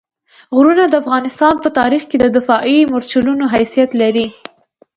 غرونه د افغانستان په تاریخ کې د دفاعي مورچلونو حیثیت لري.